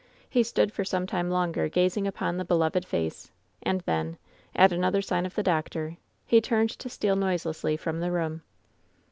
He stood for some time longer gazing upon the beloved face, and then, at another sign from the doctor, he turned to steal noiselessly from the room.